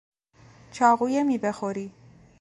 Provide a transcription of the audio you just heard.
چاقوی میوهخوری